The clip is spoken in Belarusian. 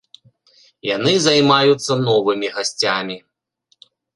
Яны займаюцца новымі гасцямі.